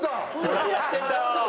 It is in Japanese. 何やってんだよ！